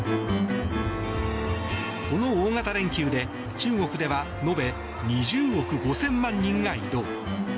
この大型連休で中国では延べ２０億５０００万人が移動。